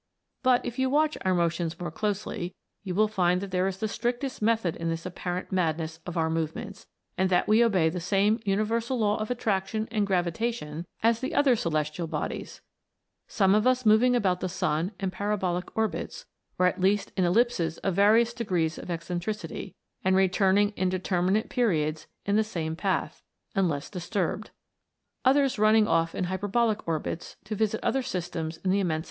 But if you watch our motions more closely, you will find that there is the strictest method in this apparent mad ness of our movements, and that we obey the same universal law of attraction and gravitation as the other celestial bodies some of us moving about the sun in parabolic orbits, or at least in ellipses of various degrees of eccentricity, and returning in determinate periods in the same path (unless dis 204 A TALE OP A COMET.